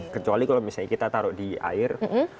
kecuali kalau misalnya kita taruh di air